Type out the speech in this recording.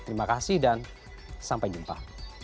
terima kasih dan sampai jumpa